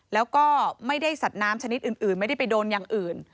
แล้วก็ไม่ได้สัตว์น้ำชนิดอื่นไม่ได้ไปโดนอย่างอื่น